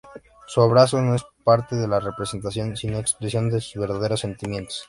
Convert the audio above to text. Su abrazo no es parte de la representación sino expresión de sus verdaderos sentimientos.